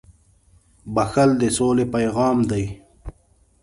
• بښل د سولې پیغام دی.